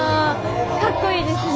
かっこいいですね！